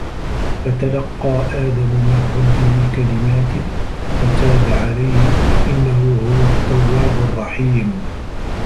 فَتَلَقَّىٰ آدَمُ مِنْ رَبِّهِ كَلِمَاتٍ فَتَابَ عَلَيْهِ ۚ إِنَّهُ هُوَ التَّوَّابُ الرَّحِيمُ